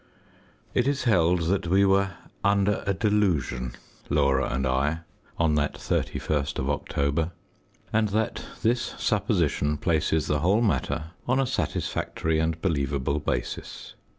It is held that we were "under a delusion," Laura and I, on that 31st of October; and that this supposition places the whole matter on a satisfactory and believable basis.